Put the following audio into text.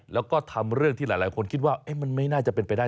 แล้วก็ทำเรื่องที่หลายคนคิดว่ามันไม่น่าจะเป็นไปได้